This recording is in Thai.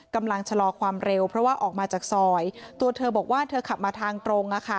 กำลังชะลอความเร็วเพราะว่าออกมาจากซอยตัวเธอบอกว่าเธอขับมาทางตรง